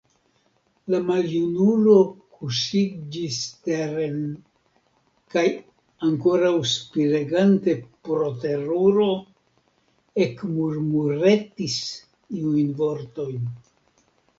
La maljunulo kuŝiĝis teren kaj, ankoraŭ spiregante pro teruro, ekmurmuretis iujn vortojn.